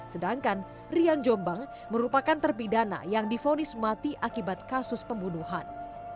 sedangkan rian jombang merupakan terpidana yang difonis mati akibat kasus pembunuhan